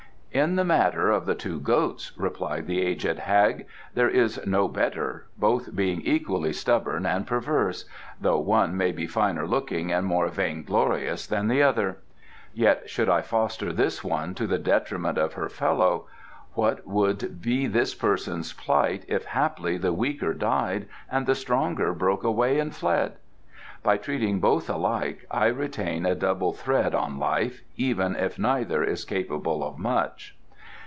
"In the matter of the two goats," replied the aged hag, "there is no better, both being equally stubborn and perverse, though one may be finer looking and more vainglorious than the other. Yet should I foster this one to the detriment of her fellow, what would be this person's plight if haply the weaker died and the stronger broke away and fled! By treating both alike I retain a double thread on life, even if neither is capable of much."